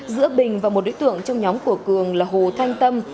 giữa bình và một đối tượng trong nhóm của cường là hồ thanh tâm